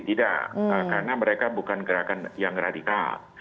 tidak karena mereka bukan gerakan yang radikal